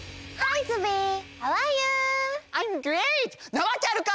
なわけあるか！